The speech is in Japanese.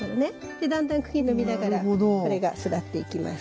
でだんだん茎伸びながらこれが育っていきます。